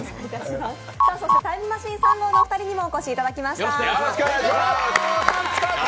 そしてタイムマシーン３号のお二人にもお越しいただきました。